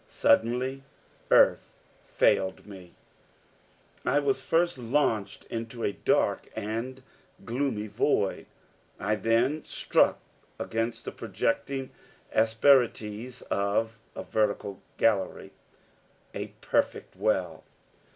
Suddenly earth failed me. I was first launched into a dark and gloomy void. I then struck against the projecting asperities of a vertical gallery, a perfect well.